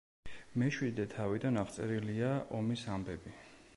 მეშვიდე თავიდან აღწერილია ომის ამბები.